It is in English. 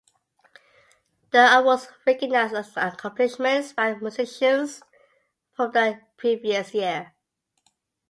The awards recognized accomplishments by musicians from the previous year.